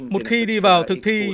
một khi đi vào thực thi